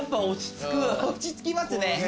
落ち着きますね。